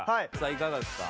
いかがですか？